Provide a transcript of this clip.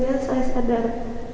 sebagai manusia saya sadar